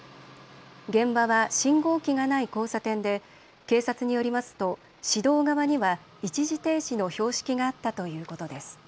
現場は信号機がない交差点で警察によりますと市道側には一時停止の標識があったということです。